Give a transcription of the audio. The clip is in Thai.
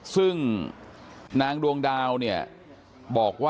ซึ่งนางดวงดาวเนี่ยบอกว่า